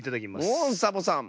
おっサボさん。